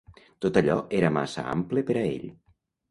Tot allò era massa ample per a ell